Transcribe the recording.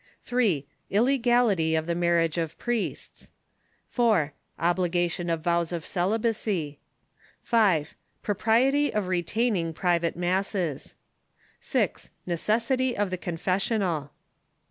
3. Illegality of the marriage of priests. 4. Obligation of vows of celibacy. 5. Propriety of retaining private masses. G. Necessity of the confessional.